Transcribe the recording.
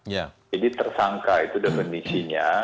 jadi tersangka itu definisinya